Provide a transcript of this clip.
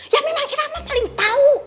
ya memang ira mah paling tau